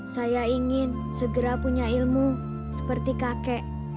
saya ingin segera punya ilmu seperti kakek